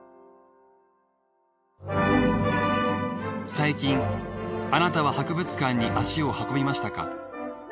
最近あなたは博物館に足を運びましたか？